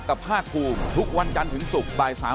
ครับ